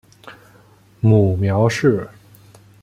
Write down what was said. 母苗氏。